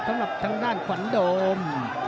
สำหรับทางด้านขวัญโดม